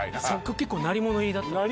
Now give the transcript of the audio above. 結構鳴り物入りだったんですよ